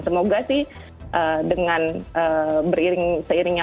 semoga sih dengan beriringnya